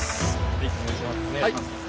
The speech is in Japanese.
はいお願いします。